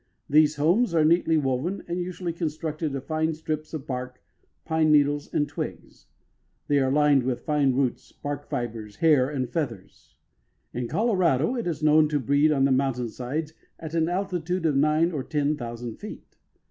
These homes are neatly woven and usually constructed of fine strips of bark, pine needles and twigs. They are lined with fine roots, bark fibers, hair and feathers. In Colorado it is known to breed on the mountain sides at an altitude of nine or ten thousand feet.